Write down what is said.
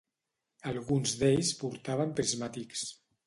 Alguns d'ells portaven prismàtics.